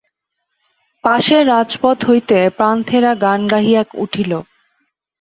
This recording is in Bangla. পাশের রাজপথ হইতে পান্থেরা গান গাহিয়া উঠিল।